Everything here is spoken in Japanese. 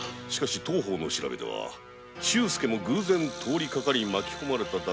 当方の調べでは周介も偶然通りかかり巻き込まれただけの事。